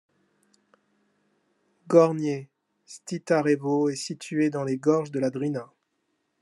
Gornje Štitarevo est situé dans les gorges de la Drina.